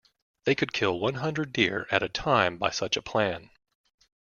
They could kill one hundred deer at a time by such a plan.